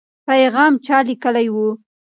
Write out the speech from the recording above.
پیغام چا لیکلی و؟